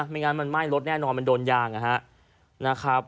ไม่งั้นมันไหม้รถแน่นอนมันโดนยางนะครับ